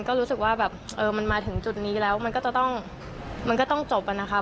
ก็รู้สึกว่ามันมาถึงจุดนี้แล้วมันก็ต้องจบนะครับ